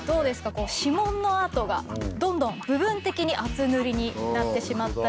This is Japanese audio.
こう指紋のあとがどんどん部分的に厚塗りになってしまったり。